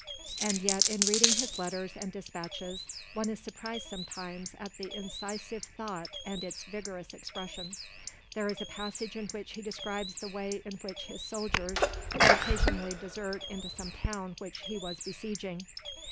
And yet in reading his letters and dispatches, one is surprised sometimes at the incisive thought and its vigorous expression. There is a passage in which he describes the way in which his soldiers would occasionally desert into some town which he was besieging.